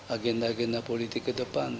agenda agenda politik ke depan